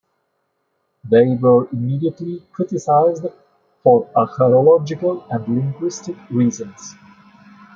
They were immediately criticized for archaeological and linguistic reasons.